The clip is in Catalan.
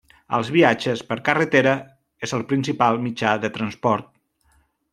Els viatges per carretera és el principal mitjà de transport.